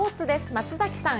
松崎さん